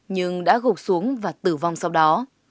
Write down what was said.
nhưng đã gục xuống và tử vong sau đó